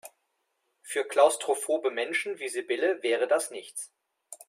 Für klaustrophobe Menschen wie Sibylle wäre das nichts.